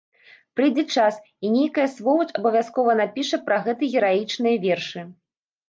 Прыйдзе час і нейкая сволач абавязкова напіша пра гэта гераічныя вершы.